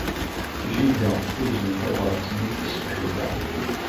Jida tuzen tabṛat-nni taṣebḥit-a.